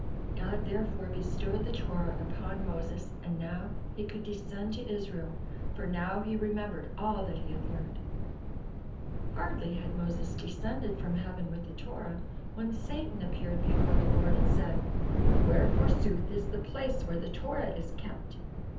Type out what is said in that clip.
God therefore bestowed the Torah upon Moses, and now he could descend to Israel, for now he remembered all that he had learned. Hardly had Moses descended from heaven with the Torah, when Satan appeared before the Lord and said: "Where, forsooth, is the place where the Torah is kept?"